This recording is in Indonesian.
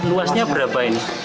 luasnya berapa ini